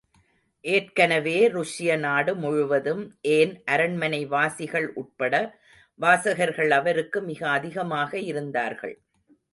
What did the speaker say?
ஏற்கனவே, ருஷ்ய நாடு முழுவதும், ஏன் அரண்மனைவாசிகள் உட்பட வாசகர்கள் அவருக்கு மிக அதிகமாக இருந்தார்கள்.